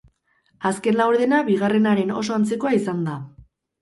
Azken laurdena bigarrenaren oso antzekoa izan da.